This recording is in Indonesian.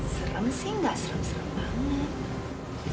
serem sih nggak serem serem banget